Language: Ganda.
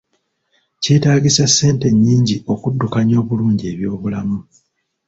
Kyetaagisa ssente nnyingi okuddukanya obulungi eby'obulamu.